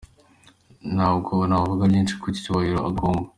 Nta bwo navuga byinshi ku bw’icyubahiro agombwa.